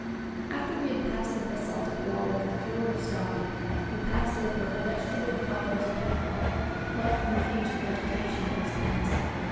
After we had passed the basaltic wall of the fiord of Stapi we passed over a vegetable fibrous peat bog, left from the ancient vegetation of this peninsula.